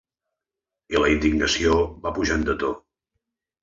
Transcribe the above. I la indignació va pujant de to.